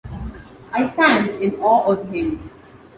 I stand in awe of him.